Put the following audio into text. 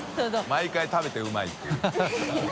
毎回食べて「うまい」って言う。